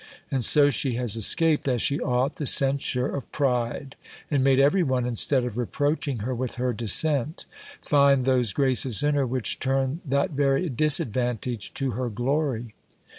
And so she has escaped, as she ought, the censure of pride; and made every one, instead of reproaching her with her descent, find those graces in her, which turn that very disadvantage to her glory.